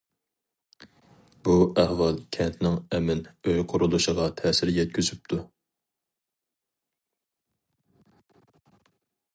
بۇ ئەھۋال كەنتنىڭ ئەمىن ئۆي قۇرۇلۇشىغا تەسىر يەتكۈزۈپتۇ.